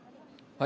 はい。